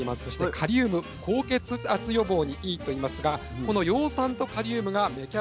そしてカリウム高血圧予防にいいといいますがこの葉酸とカリウムが芽